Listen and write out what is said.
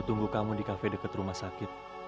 aku tunggu kamu di kafe deket rumah sakit